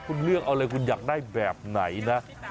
คุณเลือกเอาเลยคุณอยากได้แบบไหนนะ